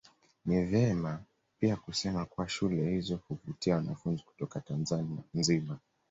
Ni vema pia kusema kuwa shule hizo huvutia wanafunzi kutoka Tanzania nzima